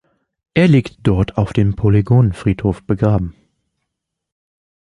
Er liegt dort auf dem Polygone-Friedhof begraben.